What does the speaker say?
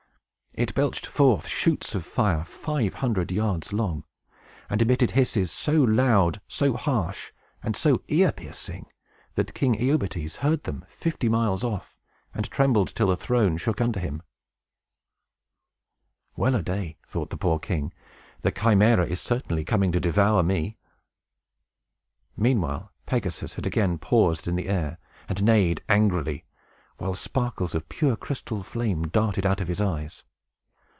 It belched forth shoots of fire five hundred yards long, and emitted hisses so loud, so harsh, and so ear piercing, that King Iobates heard them, fifty miles off, and trembled till the throne shook under him. [Illustration: BELLEROPHON SLAYS THE CHIMÆRA] "Well a day!" thought the poor king; "the Chimæra is certainly coming to devour me!" Meanwhile Pegasus had again paused in the air, and neighed angrily, while sparkles of a pure crystal flame darted out of his eyes.